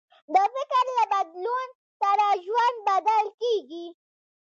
د فکر له بدلون سره ژوند بدل کېږي.